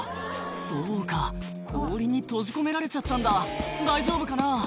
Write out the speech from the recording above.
そうか氷に閉じ込められちゃったんだ大丈夫かな？